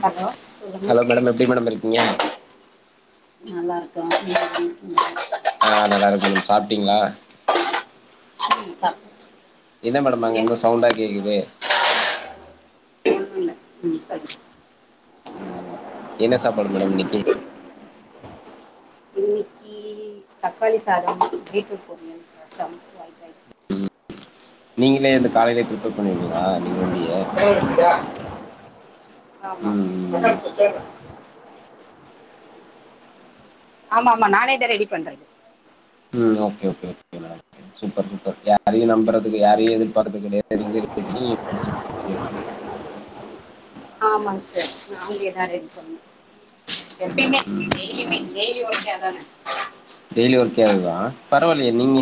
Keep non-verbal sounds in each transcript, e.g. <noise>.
Hello hello சொல்லுங்க madam எப்டி madam இருக்கீங்க நல்லா இருக்க நீங்க எப்டி இருக்கீங்க ஆ நல்லா இருக்க மேடம் சாப்ட்டீங்ளா ம் சாப்டாச்சு என்ன மேடம் அங்கங்க சவுண்டா கேக்குது ஒன்னுல்ல ம் சொல்லுங்க ம் என்ன சாப்பாடு மேடம் இன்னைக்கு இன்னக்கி தக்காளி சாதம் பீட்ரூட் பொரியல் அ சம்ட்ரு ரைட் ரைட் நீங்களே இந்த காலைலே ப்ரிப்பேர் பண்ணிடுவீங்களா நீங்க ஒண்டியே ஆமா ம் ம் ஆமாம்மா நானே தா ரெடி பண்றது ம் okay okay okay madam super super யாரையு நம்புறதுக்கு யாரையு எதிர்பாக்கறது கெடையாது நீங்களே கட் எப்டியு ஆமா சார் நாங்ளேதா ரெடி பண்ணோ எப்டியுமே ம் டெய்லியுமே டெய்லி ஒர்க்கே அதானே டெய்லி ஒர்க்கே அது தா பரவால்லையே நீங்க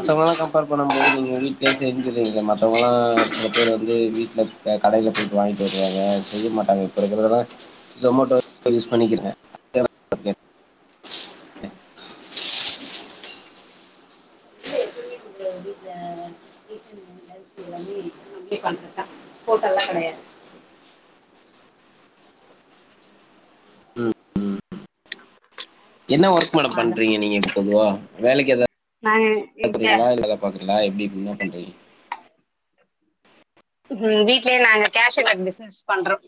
ம். கம்பேர் பண்ணும் போது நீங்க வீட் ஈசியா இருந்துர்றீங்கள மத்தவ்ங்கலா ஒரு சில பேர் வந்து வீட்ல க கடைல போய்ட்டு வாங்கிட்டு வருவாங்க செய்ய மாட்டாங்க இப்ப இருக்கிறதா ஜொமோட்டோ <inaudible> யூஸ் பண்ணிக்கிறே பெ <inaudible> வ நே பண்ணிருட்டேன் ஃோட்டெல்லாம் கிடையா <inaudible> து ம் என்ன ஒர்க் மேடம் அதான் பண்றீங்க நீங்க இப்ப போதுவ வேலைக்கு எதாவ் <inaudible> பாக்றீங்களா இல்ல எதாவ் பாக்குறீயலா எப்டி இப்ப என்ன பண்றது ம் வீட்லே நாங்க கேஷூநட் பிஸ்னஸ் பண்றோ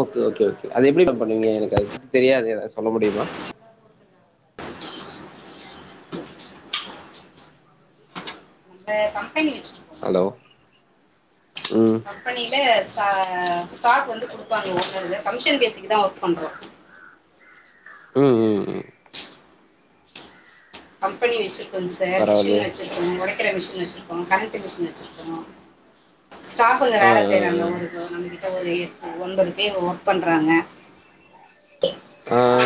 ஓகே ஓகே ஓகே அது எப்டி மேம் பண்ணுவீங்க எனக்கு அத பத்தி தெரியாது எதாவ்து சொல்ல முடியுமா அந்த கம்பெனி வச்சிருந் ஹலோ ம் கம்பெனில ஸ்டா ஸ்டாக் வந்து குடுப்பாங்க ஓனருங்க கமிஷன் பேஸ்க்கு தா ஒர்க் பண்றோ ம் ம் ம் கம்பெனி வெச்சிருக்கோங்க சார் மிஷின் பரவாயில்லையே வெச்சிருக் ம் உடைக்கிற மிஷின் வச்சிருக்கு கறக்கிற மிஷின் வச்சிருக்கு ஸ்டா புங்க ஆ வேல ஆ செய்றாங்க ஒரு நம்மகிட்ட ஒரு எட்டு ஒன்பது பேர் ஒர்க் பண்றாங்க ஆ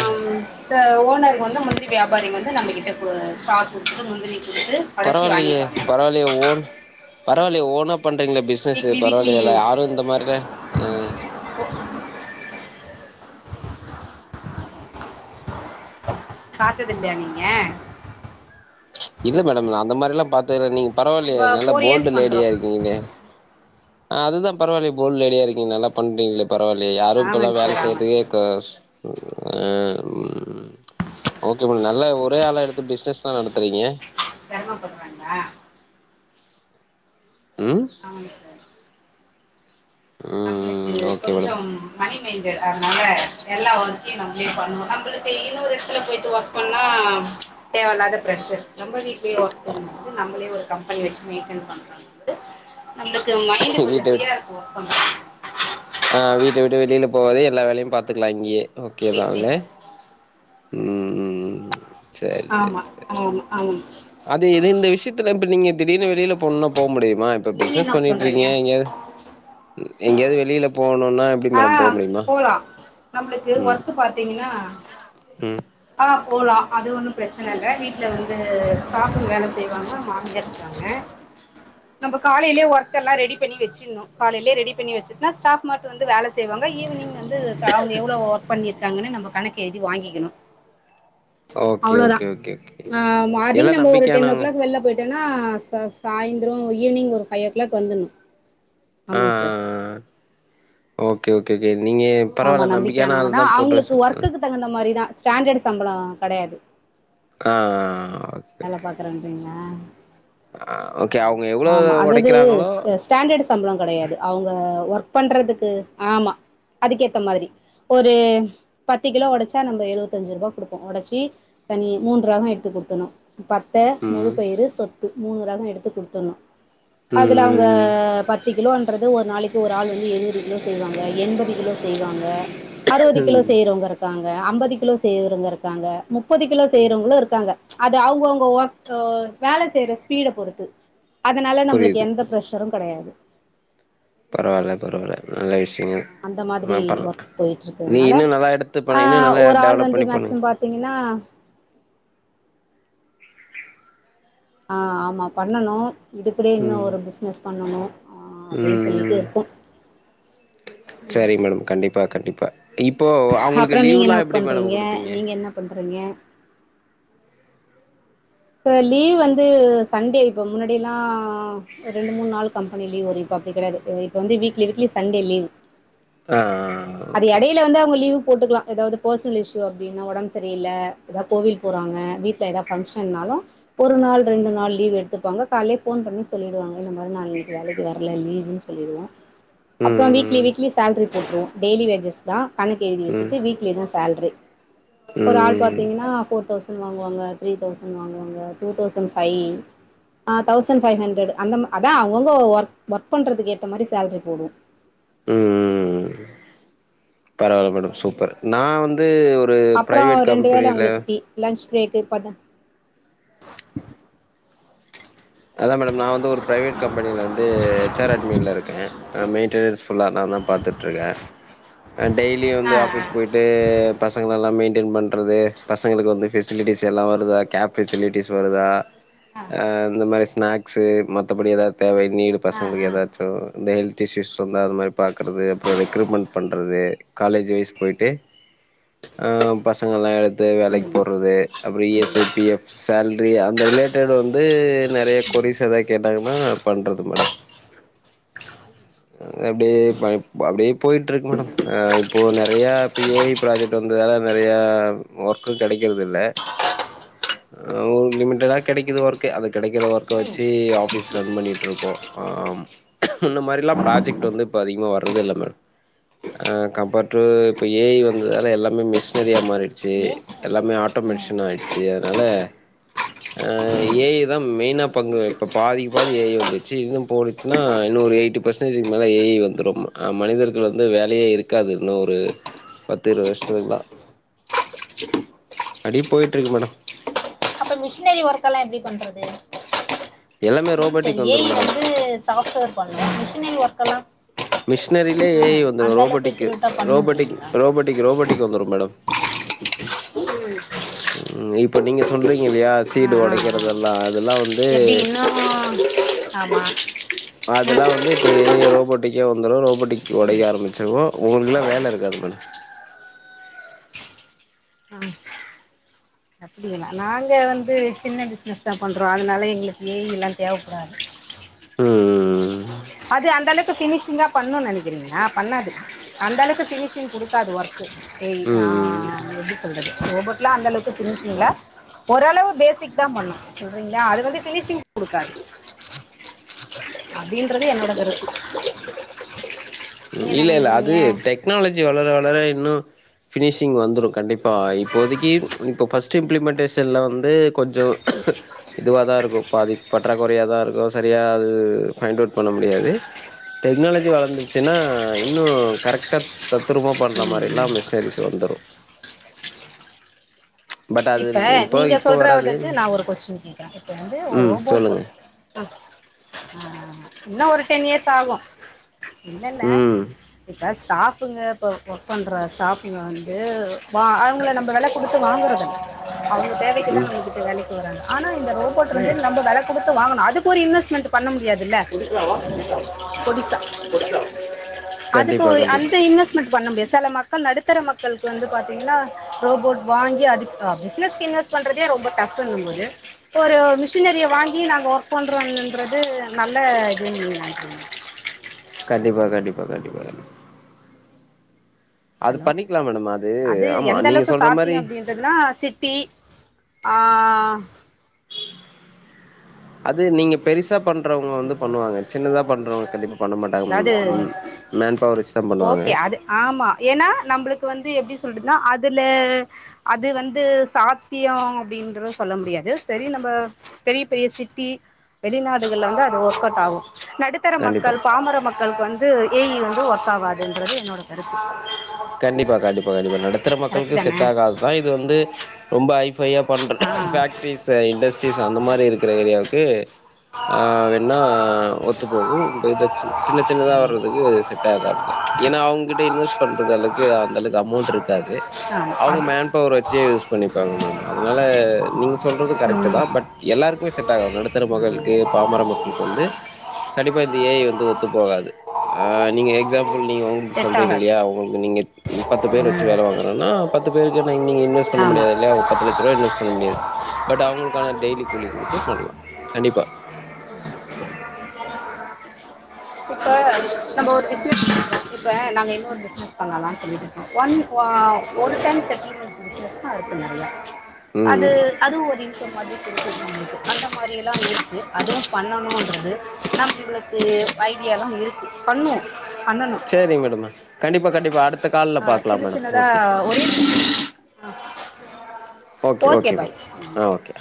சா ஓனர் வந்து முந்திரி வியாபாரி வந்து நம்பகிட்டப் ஆ ஸ்டாக் குத்துட்டு முந்திரிய குடுத்து ஒடச்சி பரவால்லையே வாங்கிப்பாங்க பரவால்லையே ஓன் பரவால்லையே ஓனா பண்றீங்களா பிஸ் சேர் வீக்லி சேர் வீக்லி பரவால்லையே யாரு இந்த மாரிலா ம் போ காத்ததில்லையா நீங்க இல்ல மேடம் நா அந்த மாரிலா பாத்ததில்ல நீங்க பரவாயில்லையா நம்ம நல்ல ஃபோர் இயர்ஸ் போல்டு பண்றோம் லேடியா இருக்கீங்களே அ அதா பரவாயில்லியே போல்டு ரெடியா இருக்கீங்க நல்லா பண்றீங்களே பரவாயில்லியே யாரு இப்பெல்லா ஆமாங்க வேல சார் ஆமாங்க சார் செய்யறதுக்கே ஒ <unintelligible> ஓகே மேடம் நல்ல ஒரே ஆள எடுத்து பிசினஸ்ஸுல்லா நடத்துறீங்க செருமப்படுறாங்களா ம் அமங்க சார் நம்மளுக்கு ம் ஓகே கொஞ்சோ மேடம் மணிமைண்டாட்அதனால எல்லா ஒர்க்கையு நம்மளே பண்ணுவோ நம்மளுக்கு இன்னொரு எடத்துல போய்ட்டு ஒர்க் எப்புன்னா தேவையில்லாத பிரஷர் நம்ப வீட் <unintelligible> நம்மளே ஒரு கம்பெனி வச்சு மெயின்டன் பண்றபோது நம்ளுக்கு மைண்ட் கொஞ்சோ வீட்ட ஃப்ரீயா விட்டு இருக்கு கொஞ்சோ ஆ வீட்டு வீட்டு வெளியில போவாது எல்லா வேலையு பாத்துக்கலா இங்கேயே ஓகேதானல்ல வீட்லயே ம் ம் ம் செரி செரி ஆமா செரி ஆமா ஆமாங் அது இது இந்த விஷ்யத்துல இப்ப நீங்க திடீர்னு வெளியில போண்ணுன்னா போ முடியுமா இப்ப நீங்க பிசனஸ் என்ன ஒர்க் பண்ணிட்டு இருங்க பண்றீங்க எங்கயது எங்கயாவ்து வெளியில போணுனா ஆ போலா நம்மளுக்கு ம் ஒர்க்க் பாத்தீங்கன்னா ம் ஆ போலா அது ஒன்னு ப்ரச்சன இல்ல வீட்டுல வந்து சாட்ஃபங்க வேல செய்வாங்க மாமிய இருக்காங்க நம்ம காலைலியே ஒர்க எல்லா ரெடி பண்ணி வச்சிருணு காலையே ரெடி பண்ணி வச்சிட்னா ஸ்டாஃப் மட் ட்டு வந்து வேல செய்வாங்க ஈவினிங் வந்து க அவுங்க எவ்ளோ ஒர்க் பண்ணிருக்காங்கன்னு நம்ம கணக்கு எழுதி வாங்கிக்கணு ஓகே அவ்ளோதா ஓகே ஓகே ஓகே ஆ எல்லா மார்னிங் நம்ம ஒரு டென் ஓ நம்பிக்கையானவங்க கிளாக் வெள்ல போய்ட் டோன ச சாயந்துரோ ஈவினிங் ஒரு ஃபைவ் ஓ கிளாக் வந்துணு ஆ ஆ ஆமாங்க சார் ஆ ஓகே ஓகே ஓகே நீங்க ஆமா பரவால்ல நம்பிக்கையான நம்பிக்கையானவங்க ஆள் தா போட்டு அவுங்களுக்கு வச்சு ஒர்க்குக்கு தகுந்த மாதிரிதா ஸ்டாண்டர்ட் சம்பள கடையாது ஆ ஆ ஆ வேல பாக்குறேரீங்களா ஆ ஓகே ஆமா அவங்க எவ்ளோ ஆமா அதது ஒடைக்கிறாங்களோ <unintelligible> ஸ்டாண்டர்ட் சம்பள கெடையாது அவுங்க ஒர்க் பண்றதுக்கு ஆமா அதுக்கேத்த மாதிரி ஒரு பத்து கிலோ ஒடச்சா நம்ம எழுவத்தஞ்சு ரூபா குடுப்போ ஒடச்சி தனி மூன்றாகோ எடுத்து குடுத்தணு பத்த முழு ம் பயறு சொத்து மூணு ரகோ எடுத்து குடுத்தணு அதுல அவுங் க ம் பத்து கிலோன்றது ஒரு நாளைக்கு ஒரு ஆள் வந்து எழுபது கிலோ செய்வாங்க எண்பது கிலோ செய்வாங்க அறுபது கிலோ ம் செய்யறவங்க இருக்காங்க அம்பது கிலோ செய்றவங்க இருக்காங்க முப்பது கிலோ செய்யறவங்களு இருக்காங்க அவுங்கவுங்க ஒர்க் வேல செய்யற ஸ்பீட பொறுத்து அதனால நம்மளுக்கு புரியுது எந்த ப்ரஷ் சரு கெடையாது பரவால்ல பரவால்ல நல்ல விஷயங்க அந்த மாதிரி ஆ பர் ஒர்க் போயிட்டு நீ இருக்குதுனால இன்னு நல்லா எடுத்து ஆ பண்ண இன்னு நல்லா ஒரு ஆள் டெவலப் வந்து பண்ணி பண்ணுங்க மேக்சிமம் பாத் த்தீங்கனா ஆ ஆமா பண்ணணு இதுக்கூட இன்னு ம் ஒரு பிஸ்னஸ் பண்ணணு அப்டின்னு சொல்லிட்டு ம் இருக்கோ ம் சரிங்க மேடம் கண்டிப்பா கண்டிப்பா இப்போ அவுங்களுக்கு அப்புறோ லீவ் நீங்க எல்லா என்ன ஒர்க் எப்டி மேடம் பண்றீங்க குடுப்பீங்க நீங்க என்ன பண்றீங்க சார் லீவ் வந்து சண்டே இப்போ முன்னாடியெல்லா ஒரு ரெண்டு மூணு நாள் கம்ப பனி லீவ் வரு இப்ப அப்டி கெடையாது வீக்லி வீக்லி சண்டே லீ்வு ஆ ஆ அது இடையில வந்து அவுங்க லீவு போட்டுக்கலா எதாவது பெர்சனல் இஷ்யூ அப்டின்னா ஒடம்பு சரியில்ல எதாவது கோவில் போறாங்க வீட்ல எதா பங்க்சனாலு ஒரு நாள் ரெண்டு நாள் லீவு எடுத்துப்பாங்க கால்லயே ஃபோன் பண்ணி சொல்லிடுவாங்க இந்த மாதிரி நா இன்னைக்கு வேலைக்கு வரல லீவுனு சொல்லிடுவோ அப்றோ வீக்லி ம் weekly salary போட்ருவோ daily wages தா கணக்கு எழுதி ம் வச்சுட்டு வீக்லி தா சேல்ரி ஒரு ஆள் ம் பாத்தீங்கன்னா ஃபோர் தௌச சண்ட் வாங்குவங்க த்ரீ தௌசண்ட் வாங்குவாங்க டூ தௌசண்ட் ஃபை ஆ தௌசண்ட் ஃபைவ் ஹண்ட்ரட் அந்த அதா அவுங்கவுங்க ஒர்க் ஒர்க் பண்றதுக்கு ஏத்த மாதிரி சேல்ரி போடுவோ ம் ம் ம் பரவால்ல மேடம் சூப்பர் நா வந்து ஒரு அப்புறோ பிரைவேட் ரெண்டு வேளை கம்பெனில அவுங்களுக்கு டீ லன்ச் பிரேக்கு அதான் மேடம் நா வந்து ஒரு பிரைவேட் கம்பெனியில வந்து ஹச் ஆர் அட்மின்ல இருக்கே மெயின்டனன்ஸ் ஃபுல்லா நான் தா பாத்துட்டுருக்கே டெய்லியு வந்து ஆ ஆ ஆஃபீஸ் போயிட் இது பசங்கள எல்லா மெயின்டன் பண்றது பசங்களுக்கு வந்து ஃபெசிலிட்டிஸ் எல்லா வருதா கேப் ஃபெசிலிட்டிஸ் வருதா ஆ இந்த மாரி ஸ்நாக்ஸு மத்தபடி எதாவது தேவை நீடு ஆ பசங்களுக்கு ஆ எதாச்சு ம் இந்த ஹெல்த் இஸ்யூஸ் சொன்னா அது மாதிரி பாக்கறது அப்புற ரெக்ரூமெண்ட் பண்றது காலேஜ் வைஸ் போயிட்டு ஆ பசங்கள் எல்லா எடுத்து வேலைக்கு ம் போட்றது அப்புற இ எஸ் ம் ஐ பி ஃஎப் சேல்ரி அந்த ரிலேட்டட் வந்து நிறைய கொரிஸ் எதாவது கேட்டாங்கன்னா பண்றது மேடம் அப்டியே அப்டியே போயிட்டுருக்கு மேடம் சரிங்க அ இப்போ நிறைய ப ஏ ஐ ப்ராஜெக்ட் வந்ததால நறைய ஒர்க்கு கெடைக்கறது இல்ல ஆ ஒரு லிமிட்டடா கிடைக்குது ஒர்க்கு அத கிடைக்கிற ஒர்க் க ம் வச்சு ஆஃபிஸ் ரன் பண்ணிட்டு இருக்கோ ஆம் முன்ன மாரிலா ப்ராஜெக்ட் வந்து இப்போ அதிகமா வர்றது இல்ல மேம் ஆ கம்பேர் டு இப்போ ஏ ஐ வந்ததால எல்லாமே மிஷினரியா மாறிடுச்சு ஏ எல்லாமே ஆ ஆட்டோமேட்டிஷன் ஆயிடுச்சு அதுனால ஏ ஐ தா மெயினா பங்கு இப்ப பாதிக்கு பாதி ஏ ஐ வந்துச்சு இன்னும் போனிச்சன்னா இன்னு ஒரு எயிட்டி பர்சன்டேஜுக்கு மேல ஏ ஐ வந்துடும் ஆ மனிதர்கள் வந்து வேலையே இருக்காது இன்னு ஒரு பத்து இருவது வருஷத்துக்குதா அப்டியே போயிட்டு இருக்கு மேடம் மிஷினரி ஒர்க் எல்லா எப்படி பண்றது எல்லாமே ம் சரி ரோபோட்டிக் ஏ வந்துரும் ஐ மேடம் வந்து சாஃப்ட்வேர் பண்ணலா மிஷினரி ஒர்க்கல்லா மிஷினரியிலே ஏஐ வந்துரு ரோபோட்டிக் எக்யூரேட்டா ரோபோட்டிக் பண்ணுன்றீங்களா ரோபோட்டிக் ரோபோட்டிக் வந்துரும் மேடம் ம் ம் இப்ப நீங்க சொல்றீங்க இல்லையா சீடு ஆ ஆ உடைக்கறதல்லா அதெல்லா வந்து எப்டி இன்னும் ஆமா அதெல்லா வந்து இப்ப ஏ ஐ ரோபோட் டிக்கே வந்துரு ரோபோட்டிக் ஒடைக்க ம் ஆரம்பிச்சிரு உங்களுக்குல்லா வேல இருக்காது மடம் ஆ அப்டிங்ளா நாங்க வந்து சின்ன பிஸ்னஸ் தா பண்றோ அதனால எங்களுக்கு ஐ லா தேவப்படாது ம்ம்ம் அது அந்த அளவுக்கு பினிஷிங்கா பண்ணுன் நெனைக்கிறீங்களா பண்ணாது அந்த அளவுக்கு பினிஷிங் குடுக்காது ஒர்க்கு ஏ ஐ ஆ ம் ம் ம் எப்டி சொல்றது ரோபோட்லா அந்தளவுக்கு பினிசிங்ளா ஓரளவு பேசிக் தா பண்ணு சொல்றீங்ளா அது வந்து பினிசிங் குடுக்காது அப்டின்றது என்னோட கருத்து ம் நீங்க என்ன இல்ல இல்ல அது நெனைக்கிறீங்க டெக்னாலஜி வளர வளர இன்னு ஃபினிஷிங் வந்துடு கண்டிப்பா இப்போதைக்கி இப்போ ஃபஸ்ட்டு இம்ப்ளிமெண்டடேஷன்ல வந்து கொஞ்சோ இதுவா தா இருக்கு பாதி பற்றாக்குறையா தா இருக்கு சரியா அது ஃபைண்ட் அவ்ட் பண்ண முடியாது டெக்னாலஜி வளந்து சின்னா இன்னு கரெக்டா தத்ரூமா பண்ற ம் மாரில்லா ம் மிஷினரிஸ் வந்துரு பட் அது இப்ப இப்போ நீங்க இப்போ சொல்றத வராது வச்சு நா ஒரு கொஸ்டின் கேக்குற இப்ப வந்து ஒரு ம் ரோபோட் சொல்லுங்க ஓ அ இன்னு ஒரு டென் இயர்ஸ் ஆகு இல்லல்ல ம் இப்ப ஸ்டாஃபுங்க இப்ப ஒர்க் பண்ற ஸ்டாஃபுங்க வந்து வா அவங்கள நம்ப வெல குடுத்து வாங்கறது அவங்க தேவைக்கு தா ம் நம்மகிட்ட வேலைக் வராங்க ஆனா இந்த ரோபோட் வந்து நம்ம வெல குடுத்து வாங்கணு அதுக்கு ஒரு இன்வெஸ்ட்மெண்ட் பண்ண முடியாதுல்ல ஒடிசா அதுக்கு கண்டிப்பா ஒரு கண்டிப்பா அந்த இன்வெஸ்ட்மெண்ட் பண்ண முடியாதுல சல மா க்கள் நடுத்தர மக்கள்க்கு வந்து பாத்தீங்கன்னா ரோபோட் வாங்கி அது ஆ பிஸ்னஸ்க்கு இன்வெஸ்ட் பண்றதே ரொம்ப டஃப் றுக் இங்க இப்போ ஒரு மிஷினரிய வாங்கி நாங்க ஒர்க் பண்றோன்றது நல்ல இதுன்னு நீங்க நனைக்குறீங்க கண்டிப்பா கண்டிப்பா கண்டிப்பா கண்டிப்பா அது ஹலோ பண்ணிக்கலா மேடம் அது ஆமா நீங்க சொல்ற மாரி அதெல்லா சிட்டி ஆ அது நீங்க பெரிசா பண்றவங்க வந்து பண்ணுவாங்க சின்னதா பண்றவங்க கண்டிப்பா பண்ண மாட்டாங்க அதாவது ம் ம் மன் பவர் வச்சு தா பண்ணுவாங்க ஓகே அது ஆமா ஏனா நம்ளுக்கு வந்து எப்டி சொல்றதுன்னா அதுல அது வந்து சாத்தியோ அப்டின்றத சொல்ல முடியாது சரி நம்ப பெரிய பெரிய சிட்டி வெளிநாடுகள்ல வந்து அது ஒர்க்வுட் ஆகு நடுத்தர கண்டிப்பா மக்கள் பாமர மக் களுக்கு வந்து ஏ இ வந்து ஒர்காதுன்றது என்னோட கருத்து கண்டிப்பா கண்டிப்பா கண்டிப்பா நடுத்தர கரெக்ட் மக்களுக்கு தானே செட் ஆகாதுதா இது வந்து ரொம்ப ஹைபையா பண்ற ஆ ஃபக்ட்ரிஸ் இண்டஸ்ட்ரிஸ் அந்த மாரி இருக்கிற ஏரியாவுக்கு ஆ வேன்னா ஒத்து போகு இப்ப இத சின்ன சின்னதா வர்றதுக்கு செட் டாகாது தா ஏனா அவங்கிட்ட இன்வெஸ் பண்ற அளக்கு அந்த அளவுகு அமோண்ட் இருக்காது ஆமா அவங்க அது மன் பவர் வச்சே யூஸ் பண்ணிப்பாங்க மம் அதனால நீங்க சொல்றது கரெக்ட்டு தா ம் பட் எல்லாருக்குமே செட் ஆகாது நடுத்தர மக்களுக்கு ஆ பாமர மக் க்ளுக்கு வந்து கண்டிப்பா இந்த ஏ ஐ வந்து ஒத்து போகாது ஆ நீங்க எக்ஸாம்பிள் நீங்க உங் நீங்க செட் சொல்றீங்க ஆகாது இல்லியா உங்களுக்கு நீங்க பத்து பேர் வச்சு ம் வேல வாங்குறன்னா பத்து பேருக்கு நீங்க இன்வெஸ்ட் சொன்ன ஆமா முடியாது இல்லையாவ் பத்து லட்ச ரூவா இன்வெஸ்ட் பண்ண முடியாது பட் அவளுக்கான டெய்லி கூலி குடுத்து பண்ணலா கண்டிப்பா இப்போ நம்ம ஒரு பிஸ்னஸ் பன்றோ இப்ப நாங்க இன்னொரு பிசினஸ் பண்ணலான்னு சொல்லிடு ஒன் ஆ ஒரு டைம் செட்டில்மண்ட் பிஸ்னஸ்தா <inaudible> அது ம். அதுவு ஒரு <inaudible> மாதிரி தெரிஞ்சு வெச்சுக்கோங்க அந்த மாரில்லா இருக்கு அதுவு பண்ணணுன்றது நம் உங்களுக்கு ஐடியல்லா இருக்கு பண்ணுவோ பண்ணனு சரி மேடம். கண்டிப்பா, கண்டிப்பா. அடுத்த கால்ல ஆ பாக்கலாம் சின்ன மேடம். சின்னதா ஓகே. <inaudible> ஓகே ஓகேப்பா ஆ ஓகே